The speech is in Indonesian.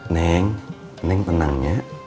neng neng penangnya